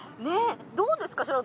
ねぇどうですか？